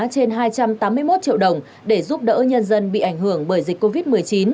trên hai trăm tám mươi một triệu đồng để giúp đỡ nhân dân bị ảnh hưởng bởi dịch covid một mươi chín